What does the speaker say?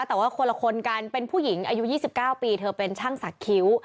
แต่ว่าคนละคนกันเป็นผู้หญิงอายุ๒๙ปีเธอเป็นช่างสักคิ้ว